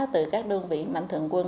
từ các đơn vị mạnh thượng quân